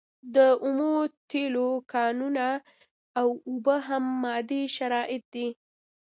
د اومو تیلو کانونه او اوبه هم مادي شرایط دي.